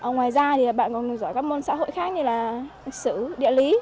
ngoài ra thì bạn còn giỏi các môn xã hội khác như là hành xử địa lý